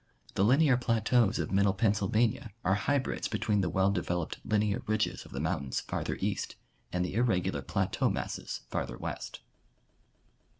The linear plateaus of middle Pennsylvania are hybrids between the well developed linear ridges of the mountains farther east and the irregular plateau masses farther west.